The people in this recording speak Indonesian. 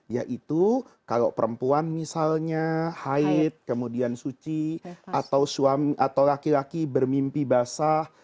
yaitu kalau perempuan misalnya haid kemudian suci atau suami atau laki laki bermimpi basah